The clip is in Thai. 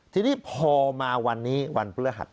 ทีนี้พอมาวันนี้วันพฤหัส